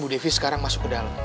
bu devi mending captain bub chat